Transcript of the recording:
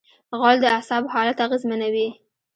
غول د اعصابو حالت اغېزمنوي.